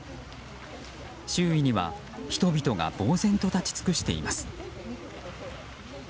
周囲には人々が呆然と立ち尽くしています。